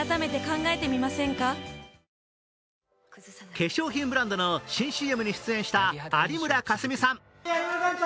化粧品ブランドの新ＣＭに出演した有村架純さん。